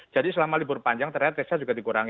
jadi selama libur panjang ternyata testnya juga dikurangi